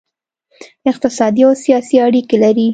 اقتصادي او سیاسي اړیکې لري